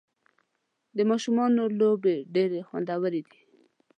د ماشومانو لوبې ډېرې خوندورې دي.